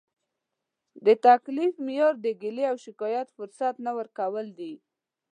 د تکلیف معیار د ګیلې او شکایت فرصت نه ورکول دي.